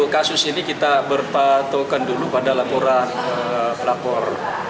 kasus ini kita berpatokan dulu pada laporan pelapor